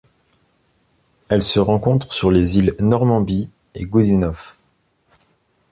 Elle se rencontre sur les îles Normanby et Goodenough.